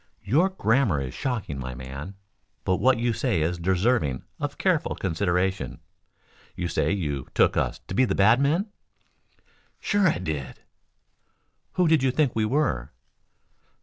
"Your grammar is shocking, my man, but what you say is deserving of careful consideration. You say you took us to be bad men?" "Sure I did." "Who did you think we were?"